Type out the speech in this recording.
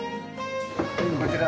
こちら。